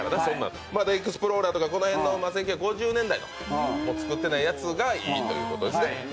エクスプローラーとかこの辺の１９５０年代の作ってないやつがいいということですね。